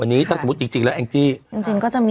วันนี้ถ้าสมมุติจริงแล้วแองจี้จริงก็จะมี